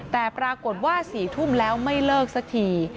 แต่ปรากฏว่า๔ทุ่มแล้วไม่เลิกสักที